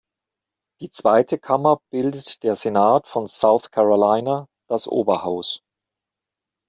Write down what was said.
Die zweite Kammer bildet der Senat von South Carolina, das Oberhaus.